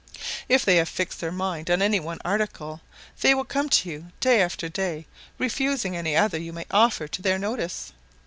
If they have fixed their mind on any one article, they will come to you day after day, refusing any other you may offer to their notice.